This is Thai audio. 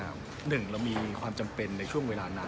หนึ่งเรามีความจำเป็นในช่วงเวลานั้น